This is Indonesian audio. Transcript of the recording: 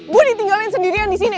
bu ditinggalin sendirian di sini